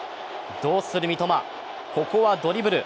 どうする三笘、ここはドリブル。